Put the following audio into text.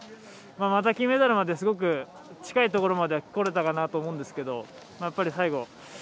また金メダルまですごく近いところまでは来れたかなと思ったんですがやっぱり最後。